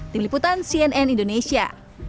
tim liputan cnn indonesia